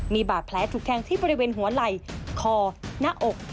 มีบาดแผลถูกแทงที่บริเวณหัวไหล่คอหน้าอก